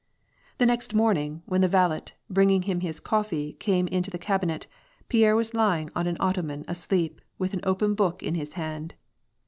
The next morning, when the valet, bringing him bis coffee, came into the cabinet, Pierre was lying on an ottoman asleep, with an open book in his hand.